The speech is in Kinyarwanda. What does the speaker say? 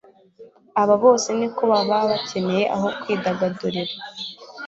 Aba bose ni ko baba bakeneye aho kwidagadurira,